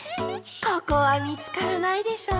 ここはみつからないでしょう。